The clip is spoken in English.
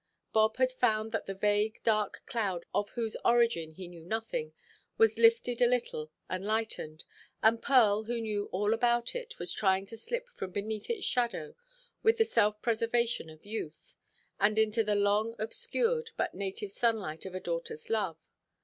Bob had found that the vague, dark cloud, of whose origin he knew nothing, was lifted a little, and lightened; and Pearl, who knew all about it, was trying to slip from beneath its shadow, with the self–preservation of youth, and into the long–obscured but native sunlight of a daughterʼs love.